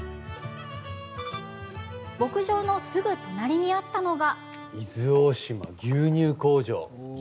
牧場のすぐ隣にあったのが。